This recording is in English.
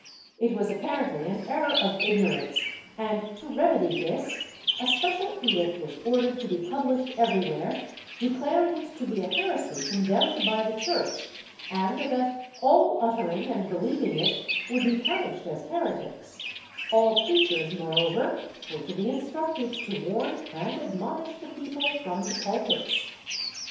It was apparently an error of ignorance and, to remedy this, a special edict was ordered to be published everywhere, declaring it to be a heresy condemned by the Church, and that all uttering and believing it would be punished as heretics ; all preachers moreover were to be instructed to warn and admonish the people from the pulpits.